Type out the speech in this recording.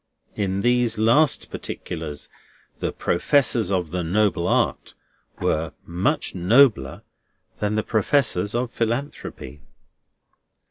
In these last particulars the Professors of the Noble Art were much nobler than the Professors of Philanthropy.